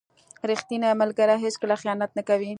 • ریښتینی ملګری هیڅکله خیانت نه کوي.